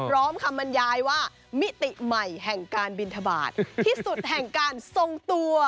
คำบรรยายว่ามิติใหม่แห่งการบินทบาทที่สุดแห่งการทรงตัว